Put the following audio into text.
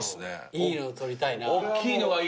いいの取りたいな。